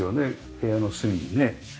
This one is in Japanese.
部屋の隅にね。